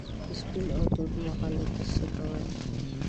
د سپین او تور مغالطه څه ته وايي؟